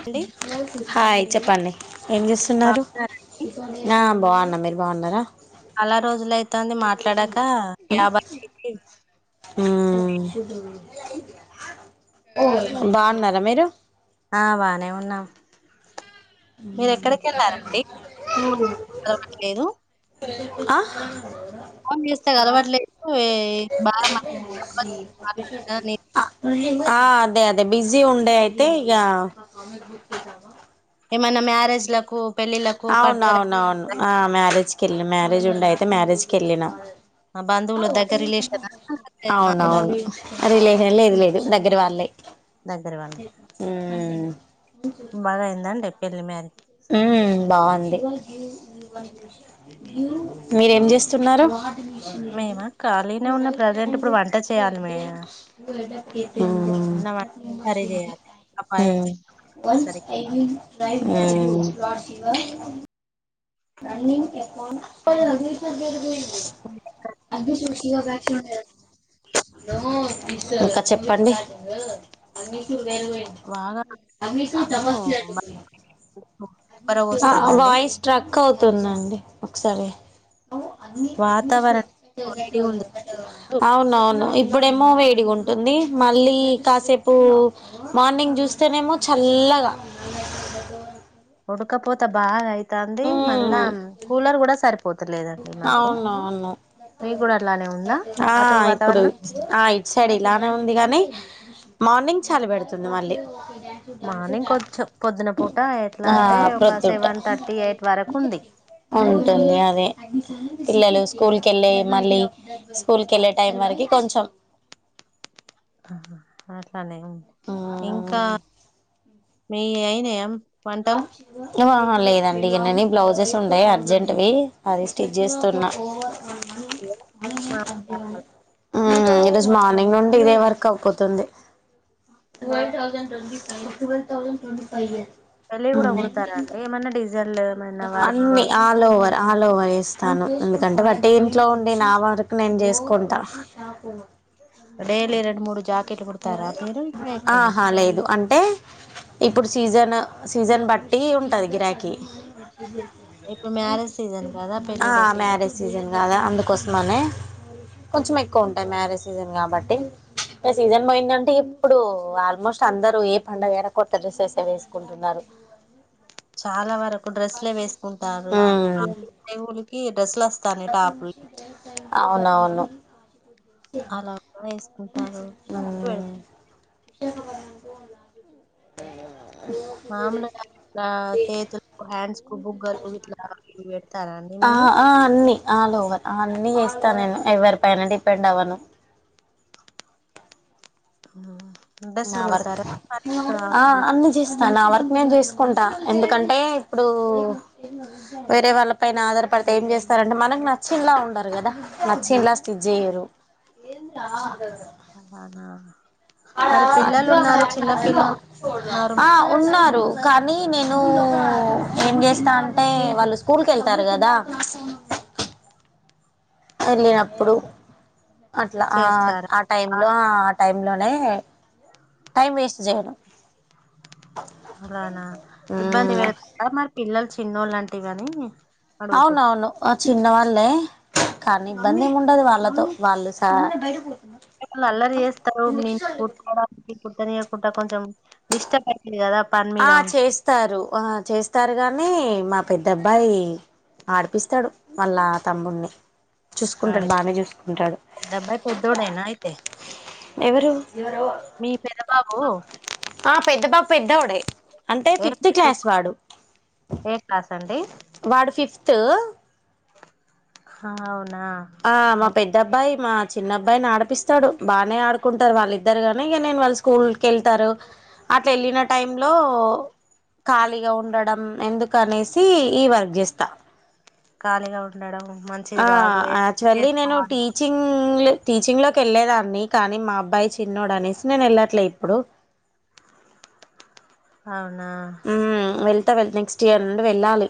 అండి హాయ్ చెప్పండి ఏం చేస్తున్నారు బాగున్నారండి? నా బాగున్నా మీరు బాగున్నారా చాలా రోజులయితాంది మాట్లాడాక క్యాబకి హ్మ్ బాగున్నారా మీరు ఆ బానే ఉన్నాం మీరు ఎక్కడికి వెళ్ళారండి ఫోన్ కలవట్లేదు ఆ ఆన్ చేస్తా కలవాట్లేదు బా ఆ అదే అదే బిజీ ఉండే అయితే ఇగ ఏమైన్నా మ్యారేజ్లకు పెళ్ళిళ్ళలకు పండుగలకు అవునువునువును ఆ మ్యారేజ్ పేళ్ళి మ్యారేజ్ ఉండే అయితే మ్యారేజ్ కెళ్ళిన బంధువుల దగ్గర రిలేషన్ మామూలు అవునువును అది లేన్ లేదు లేదు దగ్గర వాళ్ళే దగ్గర వాళ్ళు హ్మ్ బాగా అయిందండి ఎల్ మన్ హ్మ్ బాగుంది మీరేం చేస్తున్నారు మేమా ఖాళీనే ఉన్న ప్రజెంట్ ఇప్పుడు వంట చేయాలి మే అన్న వంట కర్రీ చేయాలి అబ్బాయి న్ సరికి ఐైవ్ బడ్ ఫీవ బ ఎ పేరు అది సూష ఇంకా చెప్పండి బాగా ఓ మాకు ఉబ్బరవోస్తుందండి బయిస్ టక్ అవుతుందండి ఒకసారి వాతావరణం వేడిగా ఉంది అవునవును ఇ ఇప్పుడేమో వేడిగా ఉంటుంది మళ్ళీ కాసేపు మార్నింగ్ చూస్తేనేమో చల్లగా ఉడకపోత బాగాయి అంది మళ్ళా కూలర్ కూడా సరిపోతుంది అవునువును మీకు కూడా అట్లానే ఉందా ఆ అటు ఇప్పుడు వాతావరణం ఆ ఇయిట్ సైడ్ ఇలానే ఉంది కానీ మార్నింగ్ చాల పెడుతుంది మళ్ళీ మార్నింగ్ పద్ పొద్దున పూట ఎట్లా ఆ అంటే ఒక ప్రొద్దుట సెవెన్ థర్టీ ఎయిట్ వరకు ఉంది ఉంటుంది అదే పిల్లలు స్కూల్ క వెళ్ళే మళ్ళీ స్కూల్ క వెళ్ళే టైం వరకి కొంచెం అ ఇంకా మీ వి ఆహా లేదండి ఇన్నీ బ్లౌజెస్ ఉండయి అర్జెంట్వి అది స్టిచ్ చేస్తున్నా మన మళీ అవా ఈ రోజు మార్నింగ్ నుండి ఇదే వరకు అవుపోతుంది టటువ థౌజండ్ట్వ ఫై్వ ౌజడ్ట్ంట ఫైవ్ పెళ్ళి కూడా కుడతారా అండి ఏమైన్నా డిజైల్ ఏమైనా వర్క్ అన్ని ఆల్ ఓవర్ ఆల్ ఓవర్ ఇస్తాను ఎందుకంటే బట్టి ఇంట్లో ఉండి నా వరకు నేను చేసుకుంటా డైలీ రెండు మూడు జాకెట్లు కుడతారా మీరు ఇంకా ఎక్కువనా ఆహా లేదు అంటే ఇప్పుడు సీజన్ సీజన్ బట్టి ఉంటుంది గిరాకి ఇప్పుడు మ్యారేజ్ సీజన్ కదా ఆ పెళ్ళిళ్ళ మ్యారేజ్ సీజన్ కాదా అందుకో వస్త మనే కొంచెం ఎక్కువ ఉంటాయి మ్యారేజ్ సీజన్ కాబట్టి సీజన్ పోయిందంటే ఇప్పుడు ఆల్మోస్ట్ అందరుూ ఏ పండగేర కొత్త డ్రెస్సెస్ వేసుకుంటున్నారు చాలా వరకు డ్రస్లే వేసుకుంటారువులకి డ్రెస్లు వస్త నాకు ష చే అవునవును అలా [unintelligible] పెడత మ్మ్ పోలా మామూలుగా ఆ చేతుల్ హండ్స్ బుగ్ బుగ్గలు ఇట్ల రావాలి ఇ ఆ ఆ అన్నీ ఆల్ ఓవర్ ఆ అన్ని చేస్తా స్తా నేను ఎవరి పైన డిపెండ్ అవ్వను ఆ నా వర్క్ త నా వర్క్ నేనన్ చూసుకుంటా ఎందుకంటే ఇప్పుడు వేరే వాళ్ళ పైన ఆధారపడితే ఏం చేస్తారంటే మనకు నచ్చిన్లా ఉండరు కదా నచ్చిన్లా స్టిచ్ చేయరు అలానా మరి పిల్లలు ఉన్నారు చిన్న పిల్లలు ఉన్నారు ఆ మరి ఉన్నారు కానీ నేను ను ఏం చేస్తా అంటే వాళ్ళు స్కూల్కి ఎళ్తారు కదా వెళ్ళినప్పుడు అట్లా ఆ చేస్తారా ఆ ఆ టైం లో ఆ టైం డనే టైం వేస్ట్ చేయను అలానా ఇబ్బంది మ్మ్ పెడతరా మరి పిల్లలు చిన్నో లంటి వనీ అవునవును ఆ చిన్న వాళ్లే కానీ ఇబ్బంది ఏమి ఉండదు వాళ్ళతో వాళ్ళు సా వాళ్ అల్లరి చేస్తారు నన్ కుట్టుకోడానికి కూడ్తానే ఉన్ అంటే కొంచెం డిస్టర్బ్ అయితది కదా పని మీద ఆ ఉం చేస్తారు ఆ చేస్తారు కానీ మా పెద్ద అబ్బాయి ఆడిపిస్తాడు వాళ్ళా తమ్ముడిని చూసుకుంటడు అరే బానే చూసుకుంటాడు పెద్ద అబ్బాయి పెద్దోడేనా అయితే ఎవరు మీ పెద బాబు ఆ పెద్ద పాప పెద్దవీడే అంటే ఫిఫ్త్ చదువు క్లాస్ వాడు ఏ క్లాస్ అండి వాడు ఫిఫ్త్ హ అవున్ ఆ మా పెద్దబ్బాయి మా చిన్న అబ్బాయిని ఆడిపిస్తాడు బాగానే ఆడుకుంటారు వాళ్ళిద్దరు నే ఇక నేను వాళ్ళు స్కూల్కి వెళ్తారు అట్లా వెళ్ళిన టై లో ఖాళీగా ఉండడం ఎందుక అనేసి ఈ వర్క్ చేస్తా ఖాళీగా ఉండడం మంచిది కాదు ఏ ఆక్చువల్లీ నేను చేసుకోవాలి టీచింగ్ టీచింగ్ లోకి వెళ్ళలేదాన్ని కానీ మా అబ్బాయి చిన్నోడు అనేసి నేను వెళ్ళట్లే ఇప్పుడు అవును అన్న వెళ్తా నెక్స్ట్ ఇయర్ అడి వెళ్ళాళి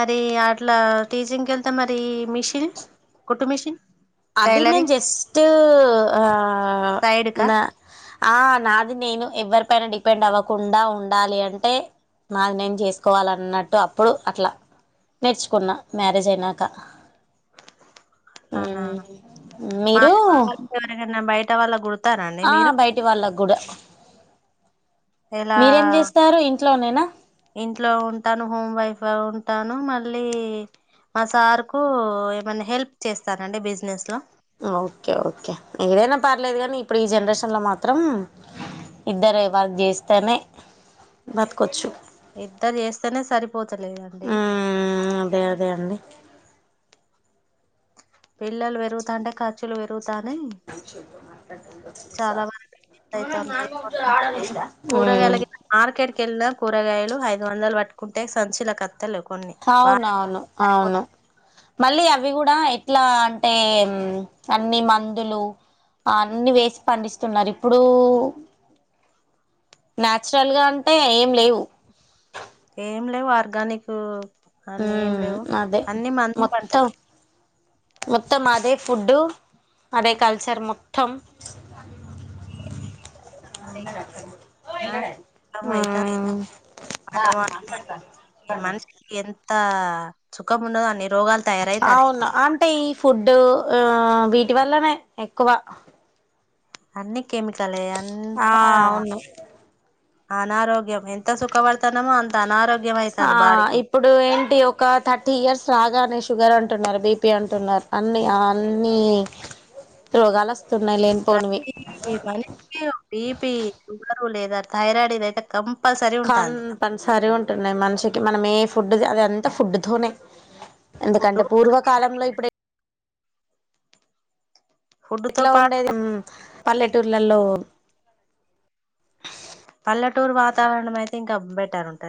మరి అట్లా టీచింగ్ వెళ్తే మరి మిషిన్ కొట్టు మిషిన్ అదే నేను జస్ట్ అ సైడ్కా న ఆ నాది నేను ఎవ్వరి పన డిపెండ్ అవ్వకుండా ఉండాలి అంటే నాది నేను చేసుకోవాలన్నట్టు అప్పుడు అట్లా నేర్చుకున్నా మ్యారేజ్ అయినాక అవునా మీరు వాళ్ గ గు ఆ బయటి వాళ్ళకి కూడా ఇలా మీరేం చేస్తారు ఇంట్లోనేనా ఇంట్లో ఉంటాను హోమ్ వైఫ్ ఉ ఉంటాను మళ్ళీ మా సార్ కు ఏమన్నా హెల్ప్ చేస్తానండి బిజినెస్ లో ఓకే ఓకే ఏదైనా పర్లేేదు కానీ ఇప్పుడు ఈ జనరేషన్లో మాత్రం ఇద్దర వారు చేస్తేనే బతకవచ్చు ఇద్దరు చేస్తేనే సరిపోతలేదండి మ్మ్ అదే అదే అండి పిల్లలు పెరుగుతాంటే క ులు పెరుగుతా చాలా వరకు అవుతుంది కూరగాయల మ్మ్ మార్కెట్కి వెళ్ళినా కూరగాయలు ఐదు వందలు పట్ కొ టక్ సం అన్సి లేక లే కొన్ని వా అవునవును సపోతు అవును మళ్ళీ అవి కూడా ఎట్లా అంటే అన్నిీ మందులు అన్నిీ వేసి పండిస్తున్నారు ఇప్పుడు నాన్యాచురల్గా అంటే ఏం లేవు ఏం లేవు ఆర్గానిక్ ఉ అని ఏం లేవు అదే అన్ని మందు మొత్తం పంటలే మొత్తం అదే ఫుడ్డు అదే కల్చర్ మొత్తం అయిాన ఉమ్ మనషకి ఎంత సుక్కం ముడుద అ నే అవును అంటే ఈ ఫుడ్డు ఆ వీటి వల్లనే ఎక్కువ అన్ని కెమికల్ ఆ ఎంత అవును అనారోగ్య ఆ అయితాంది బాడీకి ఇప్పుడు ఏంటి ఒక థర్టీ ఇయర్స్ రాగానే షుగర్ అంటే అంటున్నారు బీపీ అంటున్నారు అన్ని అన్ని రోగల్ ర మ బీపీ లేదా థైరాయిడ్ ఇద అతే కం కాన్ పనిసారి ఉంటున్నాయి మనిషికి మనం ఏ ఫుడ్ది అది ంత ఫుడ్ తోనేే ఫుడ్ ఎందుకంటే పూర్వకాలంలో ఇప్పుడే ఫుడ్ తో ఎట్లా పాటు ఉండేది పల్లెటూర్లలో పల్లటూర్ వాతారణం అయితే ఇంకా బెటర్ంటంది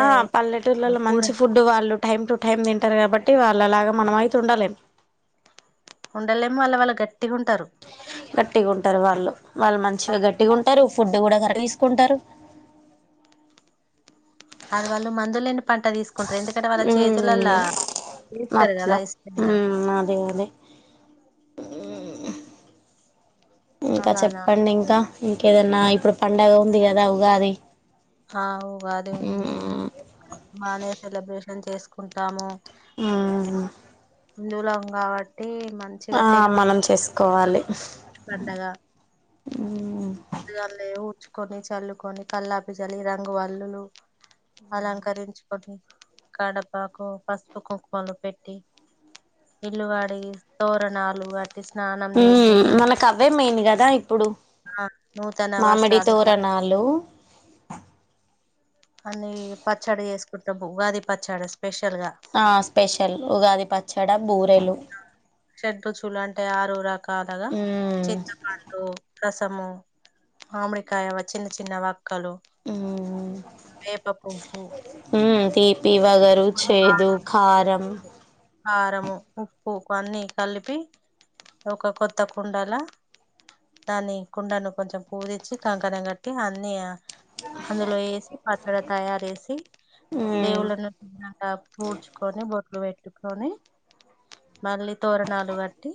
ఆ పల్లెటూర్లలో మంచి ఫుడ్ వాళ్ళు టైమ్ టు టైమ్ తింటారు కాబట్టి టిాల ఆగా మణమ త ఉండాల ఉండలేమో అలా వాళ్ళ గట్ గట్టిగా ఉంటారు వాళ్ళు వాళ్ళు మంచిగా గట్టిగా ఉంటారు ఫుడ్ కూడా కర తీసుకుంటారు అది వాళ్ళు మందులుని పంట తీసుకుంటారు ఎందుకంటే వాళ్ళ చేతులలా చేస్తారు కదా నట్లా ఇష్టంగా అదే అదే ఇంకా చెప్పండి అలానా ఇంకా ఇంకా ఏదన్నా ఇప్పుడు పండగ ఉంది కదా ఉగాది ఆ ఉగాది ఉంది అవును బానే సెలబ్రేషన్ చేసుకుంటాము హ హిందువులం కాబట్టి మంచిగా ఆ తెలుగు మనం చేసుకోవాలి గా ఊడ్చుకొని చల్లుకొని కల్లాపి జలి రంగు వల్లులు అలంకరించుకొని కడపాకు పసుపు కుంకుమలు పెట్టి ఇల్లుగాడి తోరణాలు స్నానం ఉ చేసి నూతన మనకు అవే మెయిన్గాదా ఇప్పుడు నూతన మామిడి వస్త్రాలు ఇట్లా తోరణాలు అన్ని పచ్చడి చేసుకుంటా బ గాది పచ్చడి స్పెషల్ గా ఆ స్పెషల్ ఉగాది ప చెడ బూరెలు చెడ్్ర చూలు అంటే ఆరు రక కాాలగా ఉమ్ చిత్ర పడు మత్తము మామిడికాయవ చిన్న చిన్న వా హాలో ఉమ్ వేపపువ్వు. తీప్ ఈ వగరు, చేదు, కారం కారము, ఉప్పు, అన్ని కలిపి ఒక కొత్త కుండలా దాని కుండను కొంచెం పూరీచ్చి కంకణం కట్టి అన్ని అందులో వేసి ప ఇక్కడ తయారు చేసి ఉమ్ దేవుళ్ళను [unintelligible] పూడ్చుకొని బొట్లు పెట్టుకొని మళ్ళీ తోరణాలు కట్టి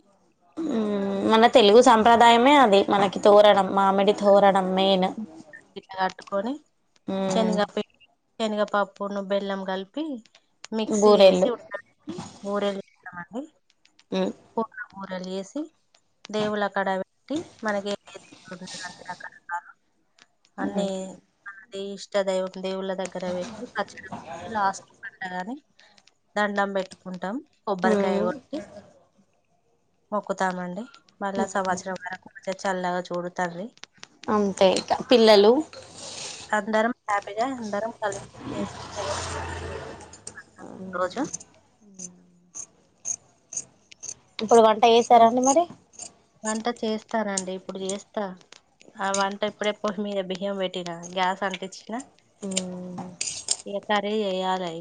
హ్మ్ మన తెలుగు సంప్రదాయమే అది మనకి తోరణం మామిడి తోరణం మెయిన్ ఇలా కట్టుకొని ఉమ్ శనిగా పెట్ శనగపప్పును, బెల్లం కలిపి మిక్సీ చేసి బూరెలు ఉడకబెట్టి బురేలు కాని హ్మ్ కూరలు వేసి దేవుళ్ళ అక్కడ పెట్టి మనకి ఏ అడ [inaudible] అన్నీ నీ ఇష్టదైవం దేవుళ్ళ దగ్గర పెట్టి పచ్చడి లాస్ట్ పండగని దండం పెట్టుకుంటాం. కొబ్బరికాయ కొట్టి హ్మ్ మొక్కుతామండి. మళ్ళా సంవత్సరం వరకు అ చల్లాగా చూడతారుని అంతే ఇకా పిల్లలు అందరం హ్యాపీగా అందరం కలిసి చేసుకు రోజు ఇప్పుడు వంట చేసారాండి. మరి వంట చేస్తానండి. ఇప్పుడు చేస్తా ఆ వంట ఇప్పుడే పొయి మీద బియ్యం పెట్టినా గ్యాస్ అంటిచ్చినా హ్మ్ ఏసారే ఎయ్యాలి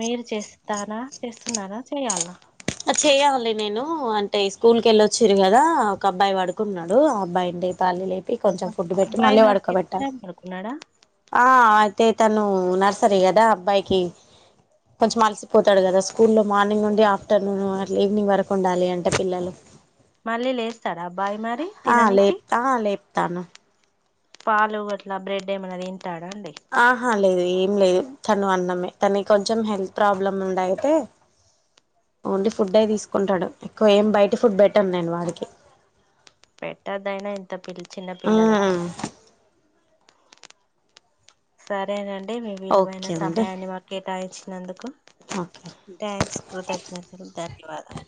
మీరు చేస్తారా చేస్తున్నార చేయాలనా చేయ్యాలి. నేను అంటే స్కూల్కి వెళ్ళొచ్చిరు. కదా ఒక అబ్బాయి పడుకుంటున్నాడు ఆ అబ్బాయిడి లేపాలి లే లేపి కొంచెం ఫుడ్ పెట్టి అబ్బాయి మళ్ళీ మరి పడుకో తినలే బెట్టాలి. పడుకున్నాడా అయితే తను నర్సరీ కదా అబ్బాయికి కొంచెం అలసిపోతాడు కదా స్కూల్లో మార్నింగ్ నుండి ఆఫ్టర్నూన్ ఈవినింగ్ వరకు ఉండాలి అంటే పిల్లలు మళ్ళీ లేస్తాడా అబ్బాయి మరి తిననికి తను పాలు అట్లా బ్రెడ్ ఏమనాది తింట ఆహా లేేదు ఏం ఏం లేదు తను అన్నమే తన కొంచెం హెల్త్ ప్రాబ్లమ్ ఉండ అయితే ఓన్లీ ఫుడ్ అయి తీసుకుంటాడు ఎక్కువ ఏం బయట ఫుడ్ పెట్టను నేను వాడికి పెట్టదయినా ఇంత పిల్ చిన్న పిల్లలకు సరేనండి అంటే మీ విలువైన ఓకే అండి సమయాన్ని మాకు కేటాయించి నందుకు ఓకే థ్యాంక్స్ కృతజ్ఞతలు ధన్యవాదము